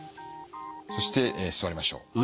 そして座りましょう。